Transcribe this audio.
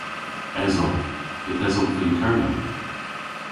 Esov. Yth esov yn Kernow.